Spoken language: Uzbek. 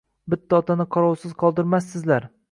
Bitta otani qarovsiz qoldirmassizlar